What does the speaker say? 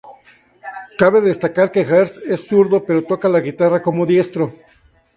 Cabe destacar que Gers es zurdo pero toca la guitarra como diestro.